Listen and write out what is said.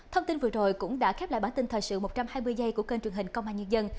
thông tin vừa rồi cũng đã khép lại bản tin thời sự một trăm hai mươi giây của kênh truyền hình công an nhân dân